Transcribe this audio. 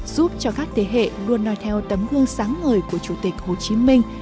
giúp cho các thế hệ luôn nói theo tấm gương sáng ngời của chủ tịch hồ chí minh